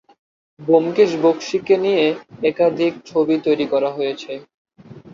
ব্যোমকেশ বক্সীকে নিয়ে একাধিক ছবি তৈরি হয়েছে।